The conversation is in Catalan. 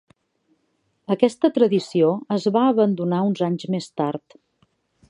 Aquesta tradició es va abandonar uns anys més tard.